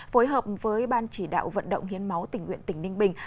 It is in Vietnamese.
phối hợp với ban chỉ đạo vận động hiến máu tỉnh nguyện tỉnh ninh bình